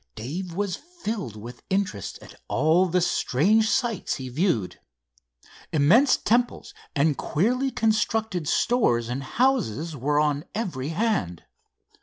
Dave was filled with interest at all the strange sights he viewed. Immense temples and queerly constructed stores and houses were on every hand.